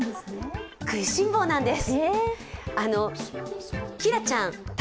食いしん坊なんです。